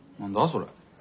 それ。